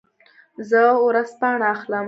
زه ورځپاڼه اخلم.